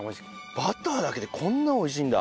バターだけでこんな美味しいんだ。